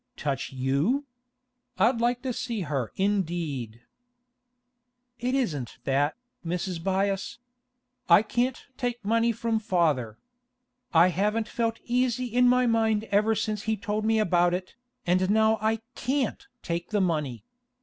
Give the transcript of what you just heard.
Touch you? I'd like to see her indeed.' 'It isn't that, Mrs. Byass. I can't take money from father. I haven't felt easy in my mind ever since he told me about it, and now I can't take the money.